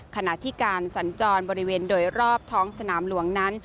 ขณะที่การสัญจรบริเวณโดยรอบท้องสนามหลวงนั้น